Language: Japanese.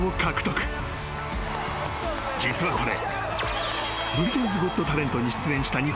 ［実はこれ］